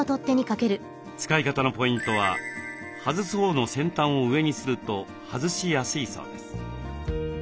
使い方のポイントは外すほうの先端を上にすると外しやすいそうです。